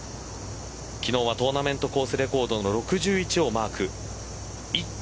昨日はトーナメントコースレコードの６１をマーク。